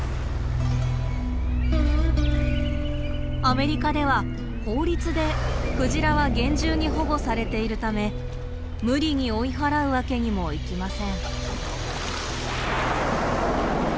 アメリカでは法律でクジラは厳重に保護されているため無理に追い払うわけにもいきません。